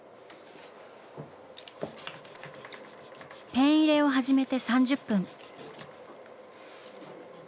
ペン入れを始めて３０分。